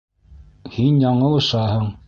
Һин яңылышаһың!..